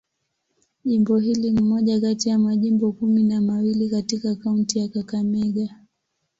Jimbo hili ni moja kati ya majimbo kumi na mawili katika kaunti ya Kakamega.